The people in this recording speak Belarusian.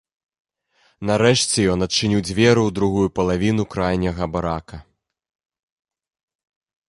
Нарэшце ён адчыніў дзверы ў другую палавіну крайняга барака.